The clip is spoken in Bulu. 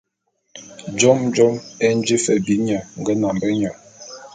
Jôme jôme é nji fe bi nye nge nambe nye.